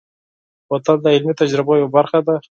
بوتل د علمي تجربو یوه برخه ده.